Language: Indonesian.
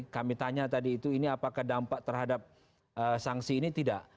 kami tanya tadi itu ini apakah dampak terhadap sanksi ini tidak